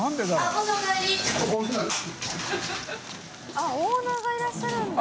あっオーナーがいらっしゃるんだ。